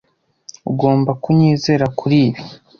Ugomba kunyizera kuri ibi.